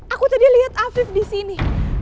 aku tadi liat afif disini